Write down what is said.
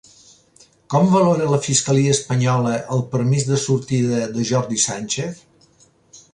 Com valora la fiscalia espanyola el permís de sortida de Jordi Sánchez?